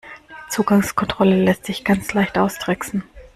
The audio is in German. Die Zugangskontrolle lässt sich ganz leicht austricksen.